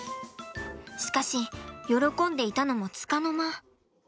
しかし喜んでいたのもつかの間。